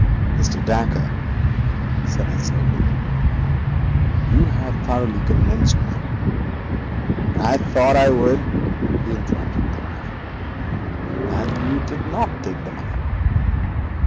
'Mr. Dacre,' said I slowly, 'you have thoroughly convinced me ' 'I thought I would,' he interrupted with a laugh. ' that you did not take the money.'